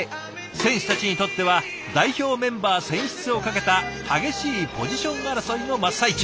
選手たちにとっては代表メンバー選出をかけた激しいポジション争いの真っ最中。